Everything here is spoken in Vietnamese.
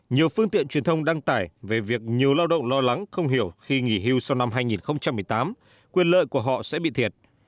nhiều phương tiện truyền thông đăng tải về việc nhiều lao động lo lắng không hiểu khi nghỉ hưu sau năm hai nghìn một mươi tám quyền lợi của họ sẽ bị thiệt